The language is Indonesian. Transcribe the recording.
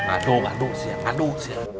aduh aduh siang aduh